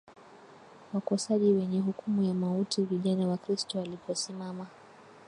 wakosaji wenye hukumu ya mauti Vijana Wakristo waliposimama